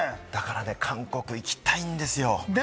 だから韓国行きたいんですよ。